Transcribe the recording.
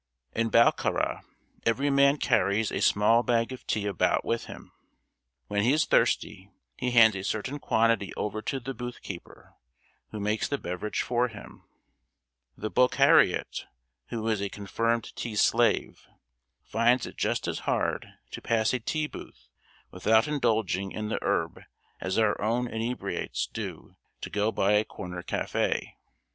In Bokhara, every man carries a small bag of tea about with him. When he is thirsty he hands a certain quantity over to the booth keeper, who makes the beverage for him. The Bokhariot, who is a confirmed tea slave, finds it just as hard to pass a tea booth without indulging in the herb as our own inebriates do to go by a corner cafe.